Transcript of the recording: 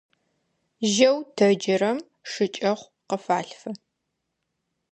Жьэу тэджырэм шыкӀэхъу къыфалъфы.